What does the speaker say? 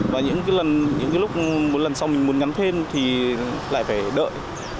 và những lúc một lần sau mình muốn nhắn thêm thì lại phải đợi